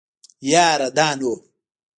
يره دا نو.